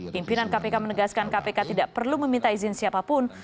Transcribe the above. pimpinan kpk menegaskan kpk tidak perlu meminta izin siapapun